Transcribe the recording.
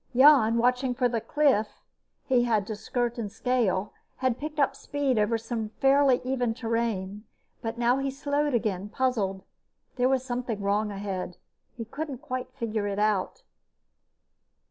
Jan, watching for the cliff he had to skirt and scale, had picked up speed over some fairly even terrain, but now he slowed again, puzzled. There was something wrong ahead. He couldn't quite figure it out.